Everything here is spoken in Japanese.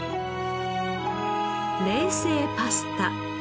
冷製パスタ。